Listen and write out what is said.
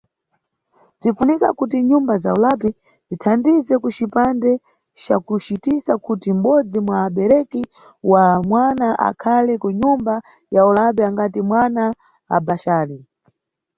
Bzinʼfunika kuti nyumba za ulapi bzithandize kucipande cakucitisa kuti mʼbodzi mwa abereki wa mwana akhale kunyumba ya ulapi angati mwana abhaxali.